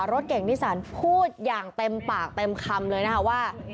รถเก่งนิสันพูดอย่างเต็มปากเต็มคำเลยนะคะว่า